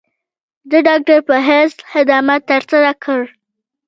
د ډاکټر پۀ حېث خدمات تر سره کړل ۔